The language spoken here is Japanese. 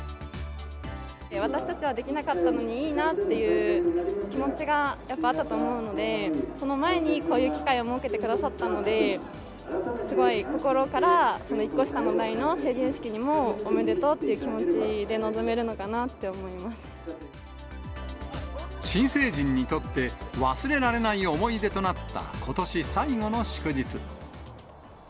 私たちはできなかったのに、いいなっていう気持ちが、やっぱあったと思うので、その前にこういう機会を設けてくださったので、すごい心から、１個下の代の成人式にもおめでとうっていう気持ちで臨めるのかな新成人にとって、忘れられない思い出となったことし最後の祝日。